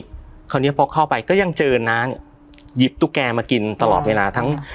คราวนี้พอเข้าไปก็ยังเจอน้าเนี่ยหยิบตุ๊กแกมากินตลอดเวลาทั้ง